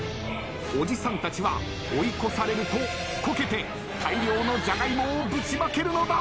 おじさんたちは追い越されるとこけて大量のジャガイモをぶちまけるのだ。